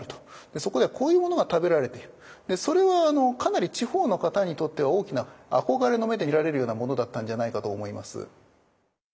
そこではこういうものが食べられてそれはかなり地方の方にとっては大きな憧れの目で見られるようなものだったんじゃないかと思います。